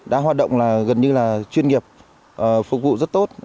đã hoạt động là gần như là chuyên nghiệp phục vụ rất tốt